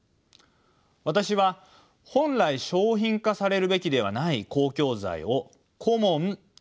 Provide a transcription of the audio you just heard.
私は本来商品化されるべきではない公共財をコモンと呼んでいます。